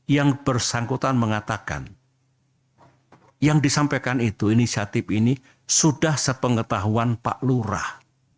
yang bersangkutan mengatakan yang disampaikan itu inisiatif ini sudah sepengetahuan pak lurah